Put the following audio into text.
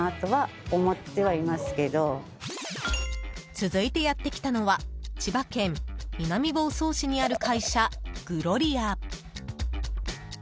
続いてやってきたのは千葉県南房総市にある会社グロリア。